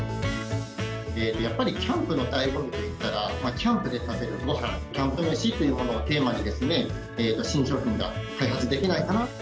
やっぱりキャンプのだいご味といったら、キャンプで食べるごはん、キャンプ飯というものをテーマに新商品が開発できないかな。